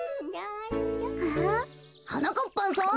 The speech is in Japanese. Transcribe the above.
はなかっぱんさん。